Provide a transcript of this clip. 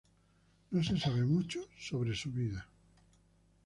No se sabe mucho acerca de su vida.